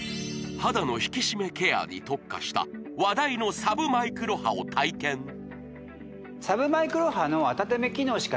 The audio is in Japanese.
肌の引き締めケアに特化した話題のサブマイクロ波のなんですよ